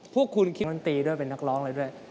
พวกคุณคิดว่าน้อนตีด้วยเป็นนักร้องเลยด้วย